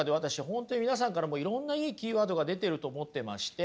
本当に皆さんからもいろんないいキーワードが出てると思ってまして。